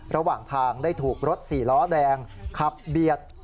ระหว่างทางได้ถูกรถสี่ล้อแดงขับเบียด